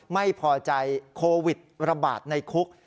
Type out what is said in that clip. ไม่พอใจโควิดระบาดในคุก